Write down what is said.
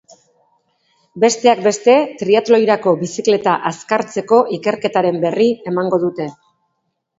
Besteak beste, triatloirako bizikleta azkartzeko ikerketaren berri emango dute.